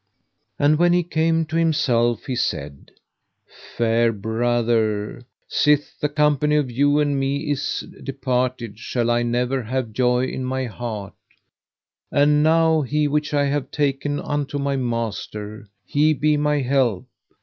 And when he came to himself he said: Fair brother, sith the company of you and me is departed shall I never have joy in my heart, and now He which I have taken unto my master, He be my help.